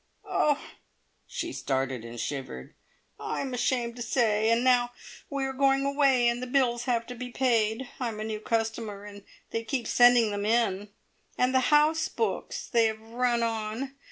"Oh!" she started and shivered. "I'm ashamed to say. And now we are going away, and the bills have to be paid. I'm a new customer, and they keep sending them in. And the house books! They have run on.